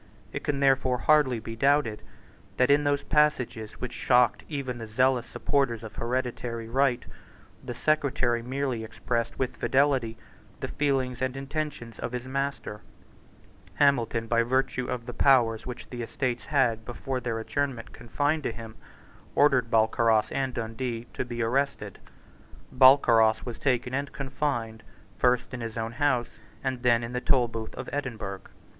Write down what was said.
It can therefore hardly be doubted that, in those passages which shocked even the zealous supporters of hereditary right, the Secretary merely expressed with fidelity the feelings and intentions of his master, Hamilton, by virtue of the powers which the Estates had, before their adjournment, confided to him, ordered Balcarras and Dundee to be arrested. Balcarras was taken and confined, first in his own house, and then in the Tolbooth of Edinburgh.